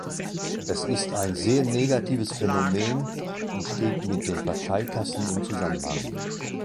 Das ist ein sehr negatives Phänomen und steht mit den Parteikassen in Zusammenhang.